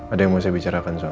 ada yang mau saya bicarakan soal